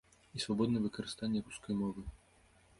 І свабоднае выкарыстанне рускай мовы.